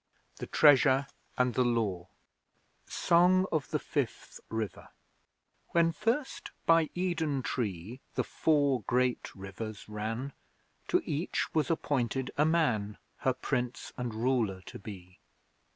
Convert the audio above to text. THE TREASURE AND THE LAW SONG OF THE FIFTH RIVER When first by Eden Tree The Four Great Rivers ran, To each was appointed a Man Her Prince and Ruler to be.